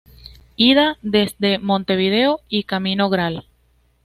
Ida: Desde Montevideo y Camino Gral.